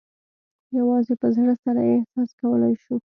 یوازې په زړه سره یې احساس کولای شو.